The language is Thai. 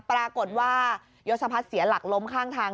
ปรากฏว่ายศพัฒน์เสียหลักล้มข้างทาง